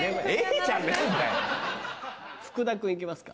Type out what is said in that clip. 福田君行きますか。